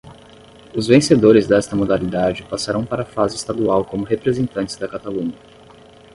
Os vencedores desta modalidade passarão para a fase estadual como representantes da Catalunha.